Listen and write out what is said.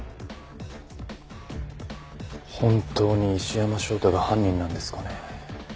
本当に石山翔太が犯人なんですかね？